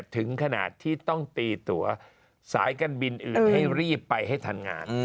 ถึงขนาดที่ต้องตีตัวสายการบินอื่นให้รีบไปให้ทันงาน